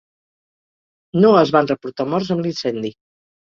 No es van reportar morts amb l'incendi.